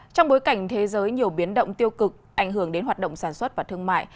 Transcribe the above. trong bối cảnh thế giới nhiều biến động tiêu cực ảnh hưởng đến hoạt động sản xuất và thương mại